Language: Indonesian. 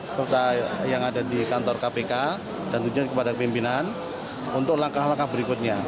serta yang ada di kantor kpk dan tentunya kepada pimpinan untuk langkah langkah berikutnya